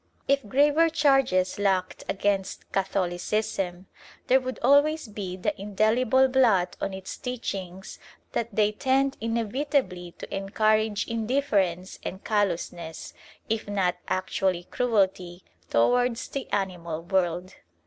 If graver charges lacked against Catholicism, there would always be the indelible blot on its teachings that they tend inevitably to encourage indifference and callousness, if not actually cruelty, towards the animal world.